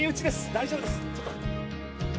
大丈夫です